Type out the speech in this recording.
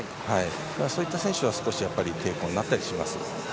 そういった選手は少し抵抗になったりします。